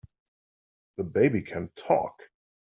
The baby can TALK!